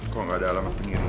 kok gak ada alamat penyelidik